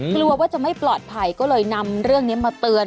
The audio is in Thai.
กลัวว่าจะไม่ปลอดภัยก็เลยนำเรื่องนี้มาเตือน